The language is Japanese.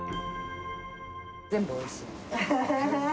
全部おいしい。